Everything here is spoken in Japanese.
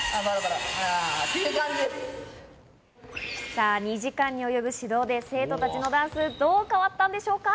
さぁ、２時間に及ぶ指導で生徒たちのダンスはどう変わったんでしょうか？